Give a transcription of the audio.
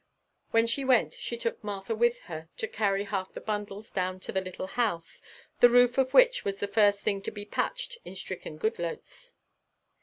When she went she took Martha with her to carry half the bundles down to the Little House, the roof of which was the first thing to be patched in stricken Goodloets.